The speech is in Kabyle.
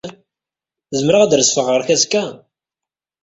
Zemreɣ ad d-rezfeɣ ɣer-k azekka?